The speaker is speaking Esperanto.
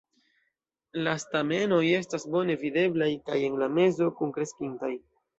La stamenoj estas bone videblaj kaj en la mezo kunkreskintaj.